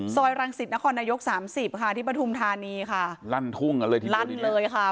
รังสิตนครนายกสามสิบค่ะที่ปฐุมธานีค่ะลั่นทุ่งกันเลยทีนี้ลั่นเลยค่ะ